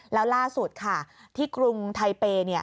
แล้วล่าสุดค่ะที่กรุงไทเปย์